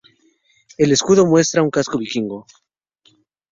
El escudo muestra un casco vikingo.